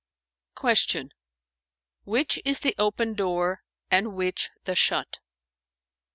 Q "Which is the open door and which the shut?"